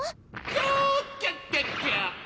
キョーキョキョキョ！